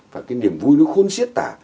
và cái niềm vui nó khốn siết tả